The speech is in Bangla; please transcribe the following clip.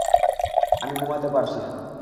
আমি ঘুমাতে পারছি না।